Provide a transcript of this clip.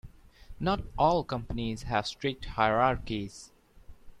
Not all companies have strict hierarchies.